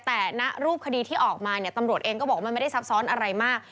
แต่ณรูปคดีที่ออกมาเนี่ยตำรวจเองก็บอกว่ามันไม่ได้ซับซ้อนอะไรมาก